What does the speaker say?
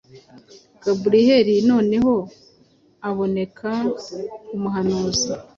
Gaburiyeli noneho abonekera umuhanuzi,